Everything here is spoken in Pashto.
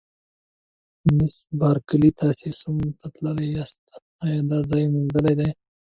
مس بارکلي: تاسي سوم ته تللي یاست، ایا دا ځای مو لیدلی دی؟